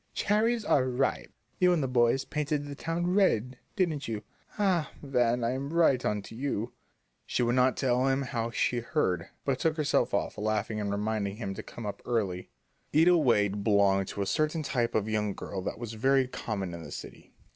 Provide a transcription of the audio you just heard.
'Cherries are ripe!' You and the boys painted the town red, didn't you? Ah, Van, I'm right on to you!" She would not tell him how she heard, but took herself off, laughing and reminding him to come up early. Ida Wade belonged to a certain type of young girl that was very common in the city.